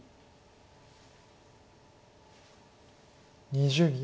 ２０秒。